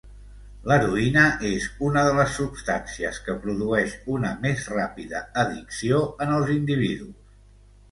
L'heroïna és una de les substàncies que produeix una més ràpida addicció en els individus.